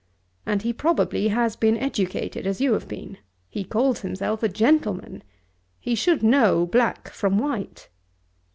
And he probably has been educated, as you have been. He calls himself a gentleman. He should know black from white.